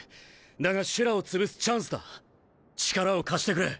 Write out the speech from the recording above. だがシュラをつぶすチャンスだ力を貸してくれ。